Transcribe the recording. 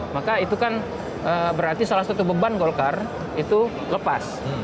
maka itu kan berarti salah satu beban golkar itu lepas